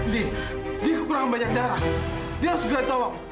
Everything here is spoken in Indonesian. di dia kekurangan banyak darah dia harus kegiat tolong